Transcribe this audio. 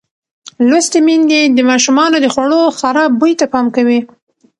لوستې میندې د ماشومانو د خوړو خراب بوی ته پام کوي.